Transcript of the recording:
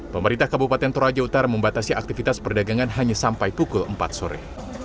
pemerintah kabupaten toraja utara membatasi aktivitas perdagangan hanya sampai pukul empat sore